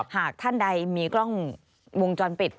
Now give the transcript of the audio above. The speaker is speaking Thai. หากท่านใดมีกล้องวงจรปิด